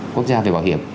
quốc gia về bảo hiểm